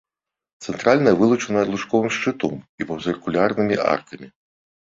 Цэнтральная вылучана лучковым шчытом і паўцыркульнымі аркамі.